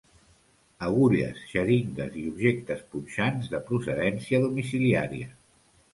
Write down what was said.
Agulles, xeringues i objectes punxants de procedència domiciliària.